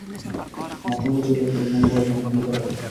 মাতঙ্গ চলিয়া গেলে মঙ্গলা যেন ফুলিতে লাগিল।